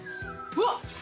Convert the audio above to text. うわっ